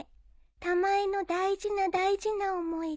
「たまえの大事な大事な思い出」